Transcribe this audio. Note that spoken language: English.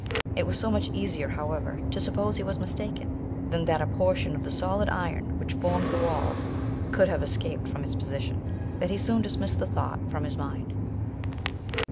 It was so much easier, however, to sup pose he was mistaken, than that a por tion of the solid iron, which formed the walls, could have escaped from its position, that he soon dismissed the thought from his mind.